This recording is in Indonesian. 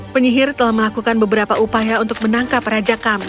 penyihir telah melakukan beberapa upaya untuk menangkap raja kami